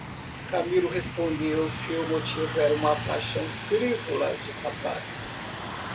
Camilo respondeu que o motivo era uma paixão frívola de rapaz.